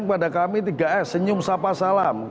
kepada kami tiga s senyum sapa salam